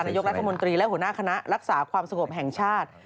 นายกรัฐมนตรีและหัวหน้าคณะรักษาความสงบแห่งชาติ